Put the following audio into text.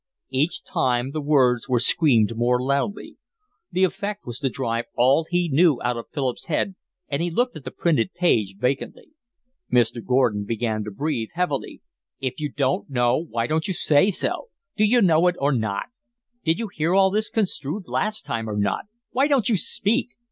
Each time the words were screamed more loudly. The effect was to drive all he knew out of Philip's head, and he looked at the printed page vacantly. Mr. Gordon began to breathe heavily. "If you don't know why don't you say so? Do you know it or not? Did you hear all this construed last time or not? Why don't you speak?